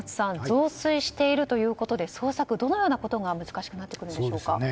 増水しているということで捜索、どのようなことが難しくなってくるんでしょうか。